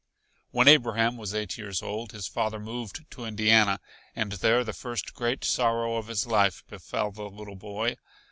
When Abraham was eight years old, his father moved to Indiana, and there the first great sorrow of his life befell the little boy.